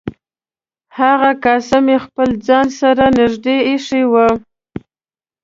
هغه کاسه مې خپل ځان سره نږدې ایښې وه.